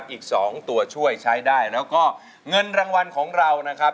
อีก๒ตัวช่วยใช้ได้แล้วก็เงินรางวัลของเรานะครับ